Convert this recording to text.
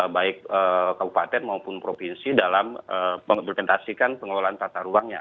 baik kabupaten maupun provinsi dalam mengimplementasikan pengelolaan tata ruangnya